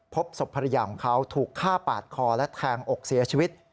พบศพภรรยาของเขาถูกฆ่าปาดคอและแทงอกเสียชีวิต